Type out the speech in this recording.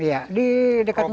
iya di dekat sana